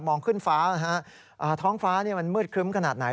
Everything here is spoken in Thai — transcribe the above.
ขึ้นฟ้านะฮะท้องฟ้ามันมืดครึ้มขนาดไหน